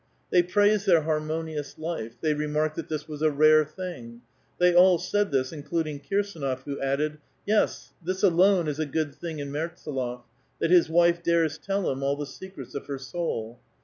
They praised their harmonious life ; they remarked that this was a ■rare thing ; they all said this, including Kirsdnof , who added, *•* Yes, this alone is a good thing in Mertsdlof, that his wife c3lares tell him all the secrets of her soul."